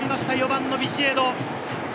４番のビシエド。